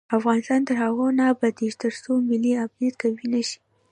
افغانستان تر هغو نه ابادیږي، ترڅو ملي امنیت قوي نشي.